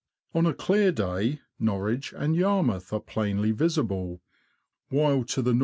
On a clear day Norwich and Yarmouth are plainly visible, while to the N.N.